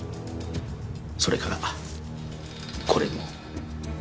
それからこれも。